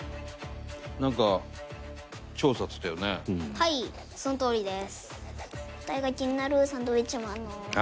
はいそのとおりです。